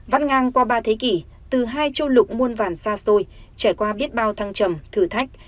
vắt ngang qua ba thế kỷ từ hai châu lục muôn vàn xa xôi trải qua biết bao thăng trầm thử thách